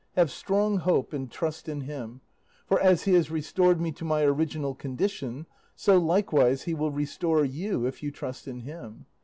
Have strong hope and trust in him, for as he has restored me to my original condition, so likewise he will restore you if you trust in him.